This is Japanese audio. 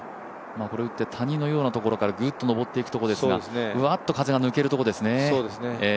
これを打って、谷のようなところから上っていくところですが、ふわっと風が抜けるところですね。